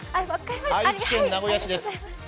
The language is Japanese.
愛知県名古屋市です。